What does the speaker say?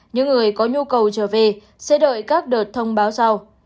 những người có nhu cầu trở về sẽ đợi các đợt thông báo sau